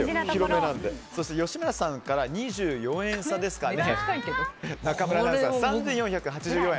そして吉村さんから２４円差の中村アナウンサー、３４８４円。